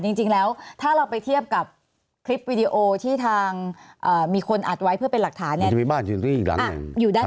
จริงแล้วถ้าเราไปเทียบกับคลิปวิดีโอที่ทางมีคนอัดไว้เพื่อเป็นหลักฐานเนี่ย